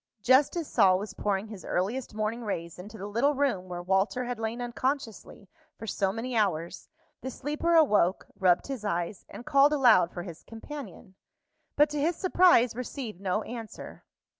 Just as Sol was pouring his earliest morning rays into the little room where Walter had lain unconsciously for so many hours, the sleeper awoke, rubbed his eyes, and called aloud for his companion, but, to his surprise, received no answer.